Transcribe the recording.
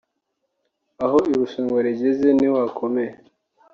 Aho irushanwa rigeze niho hakomeye